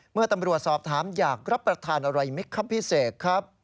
เมื่อตำรวจสอบถามอยากรับประทานอะไรไหมครับพี่เสกครับ